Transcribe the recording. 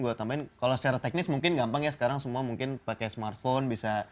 gue tambahin kalau secara teknis mungkin gampang ya sekarang semua mungkin pakai smartphone bisa